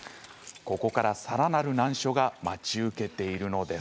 ここから、さらなる難所が待ち受けているのです。